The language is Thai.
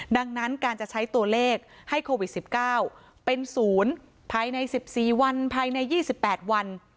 ดังนั้นการจะใช้ตัวเลขให้โควิด๑๙เป็นศูนย์ภายใน๑๔วันภายใน๒๘วัน